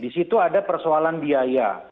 di situ ada persoalan biaya